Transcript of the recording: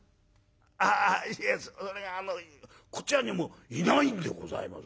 「ああいえそれがあのこちらにもういないんでございます。